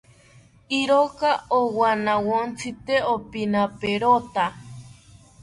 Iroka owanawontzi tee opinaperota